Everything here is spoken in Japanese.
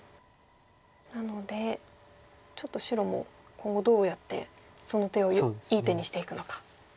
なのでちょっと白も今後どうやってその手をいい手にしていくのか。